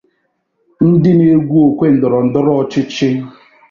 ndị na-egwu okwe ndọrọndọrọ ọchịchị